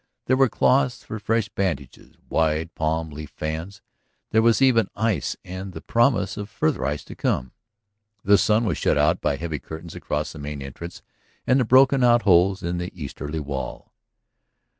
There were cloths for fresh bandages, wide palm leaf fans ... there was even ice and the promise of further ice to come. The sun was shut out by heavy curtains across the main entrance and the broken out holes in the easterly wall.